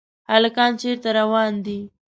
هلکان چېرته روان دي ؟